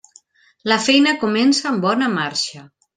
La feina comença amb bona marxa.